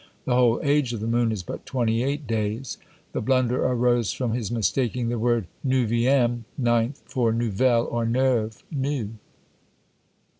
The whole age of the moon is but twenty eight days. The blunder arose from his mistaking the word neuvième (ninth) for nouvelle or neuve (new).